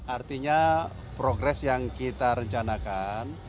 artinya progres yang kita rencanakan